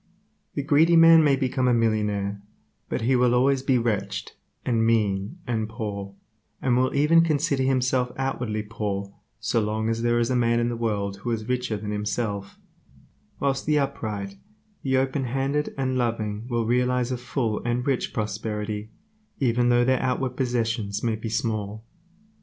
The greedy man may become a millionaire, but he will always be wretched, and mean, and poor, and will even consider himself outwardly poor so long as there is a man in the world who is richer than himself, whilst the upright, the open handed and loving will realize a full and rich prosperity, even though their outward possessions may be small.